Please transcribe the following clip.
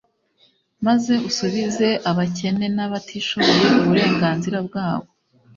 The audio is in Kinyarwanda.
maze usubize abakene n'abatishoboye uburenganzira bwabo